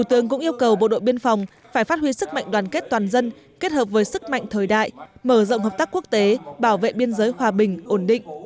tạo sự đồng thuận trong toàn dân kết hợp với sức mạnh thời đại mở rộng hợp tác quốc tế bảo vệ biên giới hòa bình ổn định